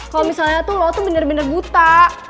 kalau misalnya tuh lo tuh bener bener buta